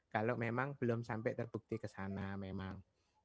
kalau memang belum sampai terbukti ke sana memang